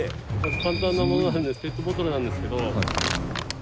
簡単なものペットボトルなんですけど。